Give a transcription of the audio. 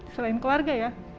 selain keluarga ya